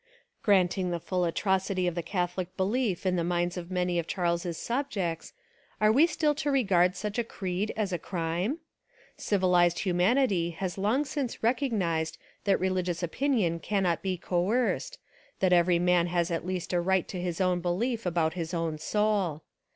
Granting the full atrocity of Catholic belief in the minds of many of Charles's subjects, are we still to re gard such a creed as a crime? Civilised hu manity has long since recognised that religious opinion cannot be coerced, that every man has at least a right to his own belief about his own soul.